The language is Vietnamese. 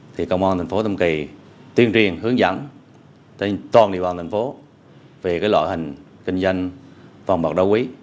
thì công an tp tâm kỳ tuyên truyền hướng dẫn toàn địa bàn tp về loại hình kinh doanh vàng bọc đá quý